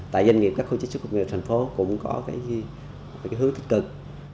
tại doanh nghiệp các khu chế xuất công nghiệp thành phố cũng có hướng thích cực